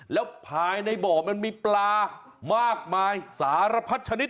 แล้วภายในบ่อมันมีปลามากมายสารพัดชนิด